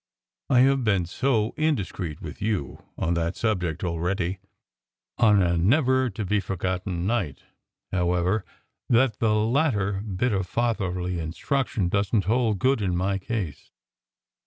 I ve been so indiscreet with you on that 168 SECRET HISTORY subject already, on a never to be forgotten night, however, that the latter bit of fatherly instruction doesn t hold good in my case.